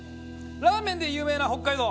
ラーメンで有名な北海道。